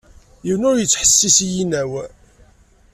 Yiwen ur ittḥessis i yinaw.